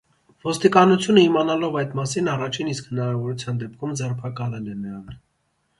Ոստիկանությունը, իմանալով այդ մասին, առաջին իսկ հնարավորության դեպքում ձերբակալել է նրան։